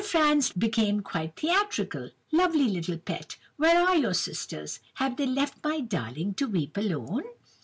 Franz became quite theatrical. 'Lovely little pet, where are your sisters? Have they left my darling to weep alone?